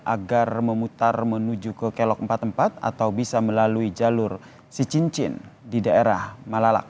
agar memutar menuju ke kelok empat puluh empat atau bisa melalui jalur cicincin di daerah malalak